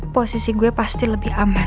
posisi gue pasti lebih aman